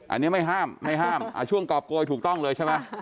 อันนี้ไม่ห้ามไม่ห้ามช่วงกรอบโกยถูกต้องเลยใช่ไหม